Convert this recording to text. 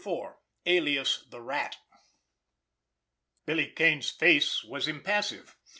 IV—ALIAS THE RAT Billy Kane's face was impassive.